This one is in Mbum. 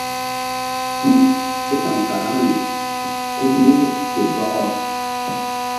Pi ke ta̧w karaŋri Kuɗu ke Bɔkɔ.